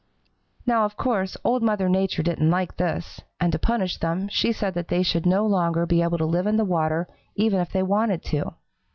"Now, of course, Old Mother Nature didn't like this, and to punish them she said that they should no longer be able to live in the water, even if they wanted to.